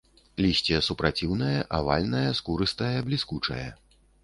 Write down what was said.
Лісце супраціўнае, авальнае, скурыстае, бліскучае.